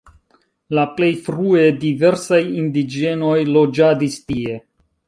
La plej frue diversaj indiĝenoj loĝadis tie.